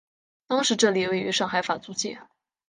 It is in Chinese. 当时这里位于上海法租界。